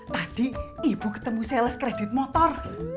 tadi ibu ketemu sales kredit motor